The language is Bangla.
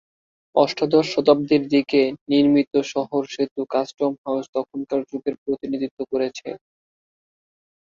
অষ্টাদশ শতাব্দির দিকে নির্মিত শহর সেতু, কাস্টম হাউজ তখনকার যুগের প্রতিনিধিত্ব করছে।